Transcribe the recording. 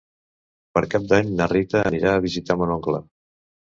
Per Cap d'Any na Rita anirà a visitar mon oncle.